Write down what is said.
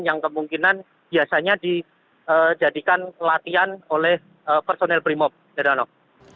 yang kemungkinan biasanya dijadikan latihan oleh personel primop erhanov